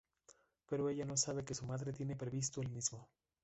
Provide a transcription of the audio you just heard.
Pero ella no sabe que su madre tiene previsto el mismo.